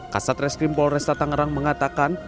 kasat reskrim polresta tangerang mengatakan